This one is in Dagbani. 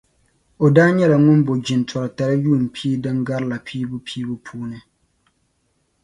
O daa nyɛla ŋun bo jintori tali yuun' pia din garila piibu piibu ni.